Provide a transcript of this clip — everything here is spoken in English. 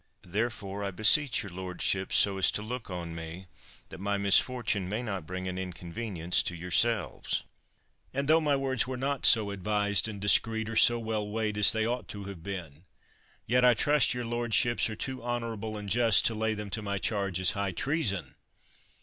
Therefore, I beseech your lordships so to look on me that my misfortune may not bring an inconvenience to yourselves. 74 STRAFFORD And tho my words were not so advised and dis creet, or so well weighed as they ought to have been, yet I trust your lordships are too honorable and just to lay them to my charge as high trea son.